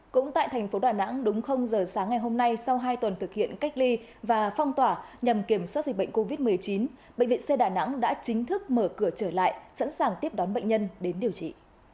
cũng tại thành phố đà nẵng đúng giờ sáng ngày hôm nay sau hai tuần thực hiện cách ly và phong tỏa nhằm kiểm soát dịch bệnh covid một mươi chín bệnh viện c đà nẵng đã chính thức mở cửa trở lại sẵn sàng tiếp đón bệnh nhân đến điều trị